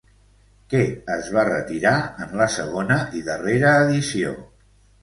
Què es va retirar en la segona i darrera edició?